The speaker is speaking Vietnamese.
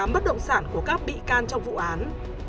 bất động sản của các bị can trong vụ án